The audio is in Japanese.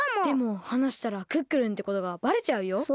でもはなしたらクックルンってことがばれちゃうよ。